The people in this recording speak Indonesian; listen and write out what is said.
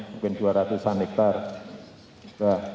mungkin dua ratus an hektare